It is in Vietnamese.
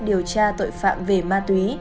điều tra tội phạm về ma túy